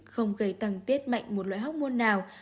không gây tăng tiết mạnh một loại hormôn nào